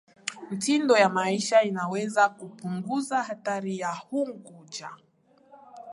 mitindo ya maisha inaweza kupunguza hatari ya ugonjwa